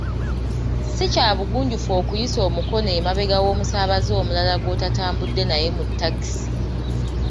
Si kya bugunjufu okuyisa omukono emabega w’omusaabaze omulala gw’otatambudde naye mu takisi.